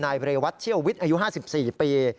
นายบริวัติเชี่ยววิทย์อายุ๕๔ปี